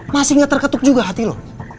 masih gak terketuk juga hati lu